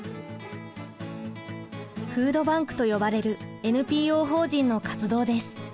「フードバンク」と呼ばれるＮＰＯ法人の活動です。